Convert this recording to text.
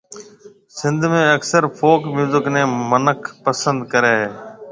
سنڌ ۾ اڪثر فوڪ ميوزڪ نيَ منک پسند ڪريَ هيَ